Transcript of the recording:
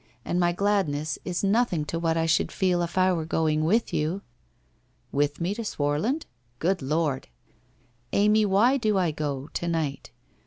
And my gladness is nothing to what I should feel if I were going with you !' 'With me to Swarland? Good Lord! ... Amy, why do I go, to night?